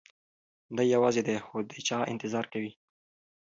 دی یوازې دی خو د چا انتظار کوي.